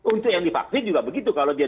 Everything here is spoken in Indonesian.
untuk yang divaksin juga begitu kalau dia